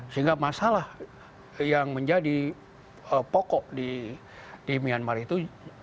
sehingga masalah yang menjadi pokok di myanmar itu